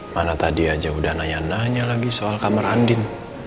mana tadi aja udah nanya nanya lagi soal kamar andin